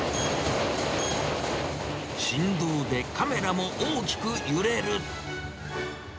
振動でカメラも大きく揺れる。